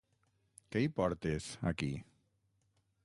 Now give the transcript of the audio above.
Què hi portes, aquí?